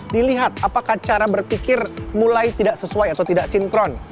dilihat apakah cara berpikir mulai tidak sesuai atau tidak sinkron